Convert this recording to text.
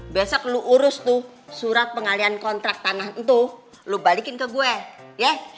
besok lo urus tuh surat pengalian kontrak tanah itu lo balikin ke gue ya